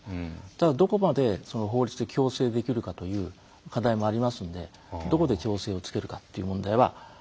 ただどこまで法律で強制できるかという課題もありますのでどこで調整をつけるかという問題はある。